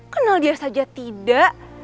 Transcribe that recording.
kenal dia saja tidak